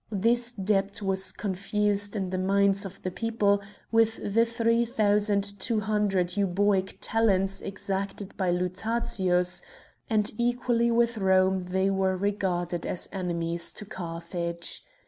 This debt was confused in the minds of the people with the 3200 Euboic talents exacted by Lutatius, and equally with Rome they were regarded as enemies to Carthage.